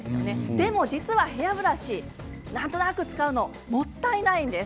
でも実は、ヘアブラシなんとなく使うのもったいないんです。